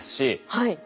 はい。